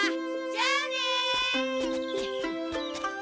じゃあね！